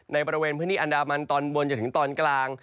ในบริเวณพื้นที่อันดามันตอนบนจนถึงตอนกลาง